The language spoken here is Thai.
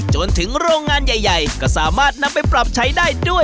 จนถึงโรงงานใหญ่ก็สามารถนำไปปรับใช้ได้ด้วย